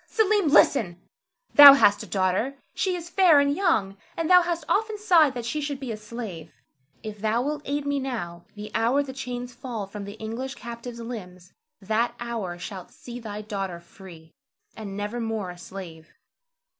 Selim, listen! Thou hast a daughter; she is fair and young, and thou hast often sighed that she should be a slave. If thou wilt aid me now, the hour the chains fall from the English captive's limbs, that hour shalt see thy daughter free, and never more a slave.